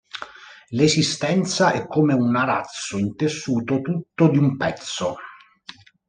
L’esistenza è come un arazzo intessuto tutto di un pezzo.